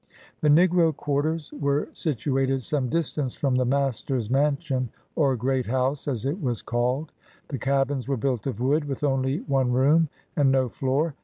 The negro quarters were situated some distance from the master's mansion, or " great house," as it was called. The cabins were built of wood, with only one room, and no floor.